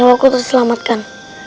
bawa aku terselamatkan